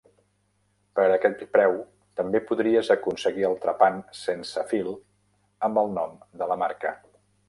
Per a aquest preu també podries aconseguir el trepant sense fil amb el nom de la marca.